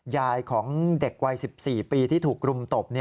ยายของเด็กวัย๑๔ปีที่ถูกรุมตบ